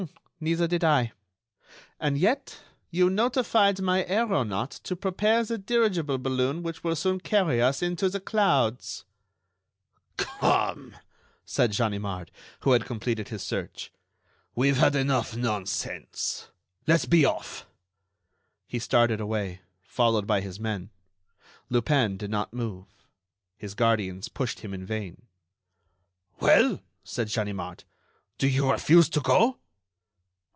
"Neither did I. And yet you notified my aeronaut to prepare the dirigible balloon which will soon carry us into the clouds." "Come!" said Ganimard, who had completed his search; "we've had enough nonsense—let's be off." He started away, followed by his men. Lupin did not move. His guardians pushed him in vain. "Well," said Ganimard, "do you refuse to go?"